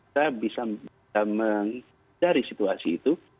kita bisa mencari situasi itu